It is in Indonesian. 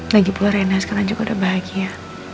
lagipula reina sekarang juga udah bahagia